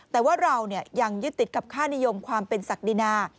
แต่ว่าเรายังยึดติดกับค่านิยมความเป็นศักดินา